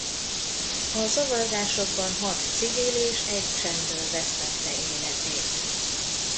A zavargásokban hat civil és egy csendőr vesztette életét.